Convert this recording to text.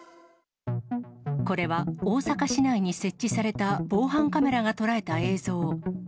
これは、大阪市内に設置された防犯カメラが捉えた映像。